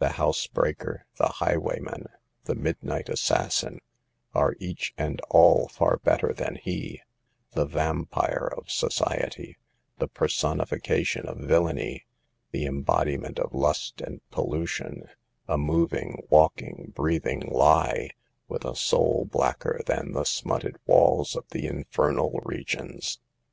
The house breaker, the highwayman, the midnight assas sin, are each and all far better than he — the vampire of society, the personification of villainy, the embodiment of lust and pollution, a moving, walking, breathing lie, with a soul blacker than the smutted walls of the infernal regions.